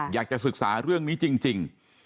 อยากจะศึกษาเรื่องนี้จริง